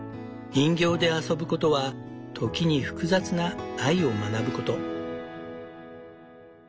人形で遊ぶことは時に複雑な愛を学ぶこと。